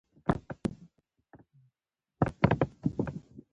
تر منګول یې څاڅکی څاڅکی تویېدلې